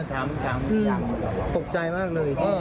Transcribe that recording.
ถามตกใจมากเลย